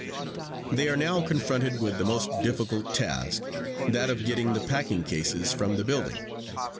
"They are now confronted with the most difficult task, that of getting the packing cases from the building.